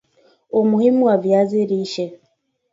umuhimu wa viazi lishe